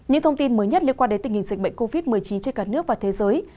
những thông tin mới nhất liên quan đến tình hình dịch bệnh covid một mươi chín trên cả nước và thế giới